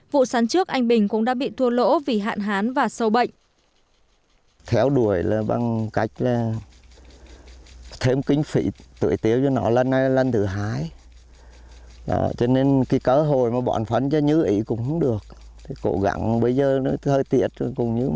vụ sắn trước anh bình cũng đã bị thua lỗ vì hạn hán và sâu bệnh